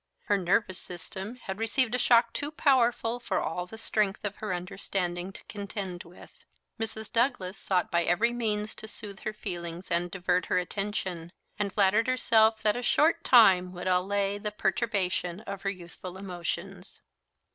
Her nervous system had received a shock too powerful for all the strength of her understanding to contend with. Mrs. Douglas sought by every means to soothe her feelings and divert her attention; and flattered herself that a short time would allay the perturbation of her youthful emotions.